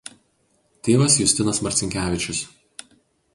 Tėvas Justinas Marcinkevičius.